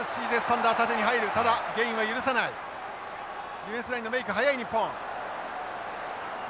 ディフェンスラインのメーク速い日本。